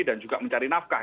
dan juga mencari nafkah